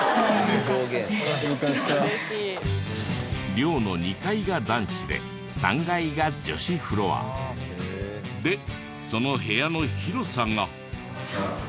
寮の２階が男子で３階が女子フロア。でその部屋の広さが。